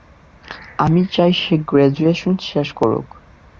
আমি চাই সে গ্রাজুয়েশন শেষ করুক।